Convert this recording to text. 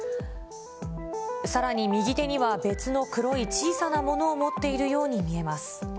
さらに右手には別の黒い小さなものを持っているように見えます。